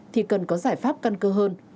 thì cần có giải pháp căn cơ hơn